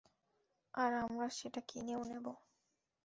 আর আমরা সেটা কিনেও নিব।